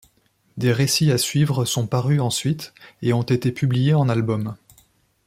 Des récits à suivre sont parus ensuite, et ont été publiés en albums.